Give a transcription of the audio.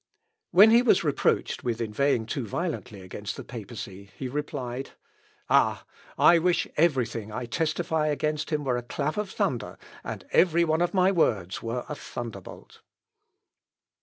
" When he was reproached with inveighing too violently against the papacy, he replied, "Ah! I wish every thing I testify against him were a clap of thunder, and every one of my words were a thunderbolt."